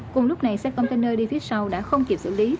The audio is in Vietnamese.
cùng lúc này xe container đi phía sau đã không kịp xử lý